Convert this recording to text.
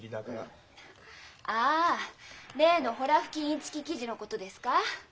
ああ例のホラ吹きインチキ記事のことですか？